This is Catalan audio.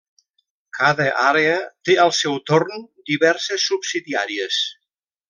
Cada àrea té al seu torn diverses subsidiàries.